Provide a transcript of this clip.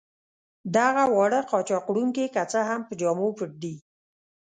دغه واړه قاچاق وړونکي که څه هم په جامو پټ دي.